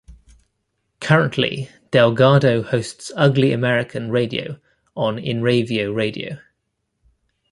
Currently, Del Gado hosts "Ugly American" Radio on Inravio Radio.